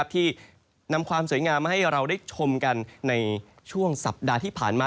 ที่นำความสวยงามมาให้เราได้ชมกันในช่วงสัปดาห์ที่ผ่านมา